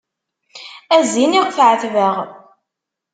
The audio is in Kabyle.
A zzin iɣef εetbeɣ.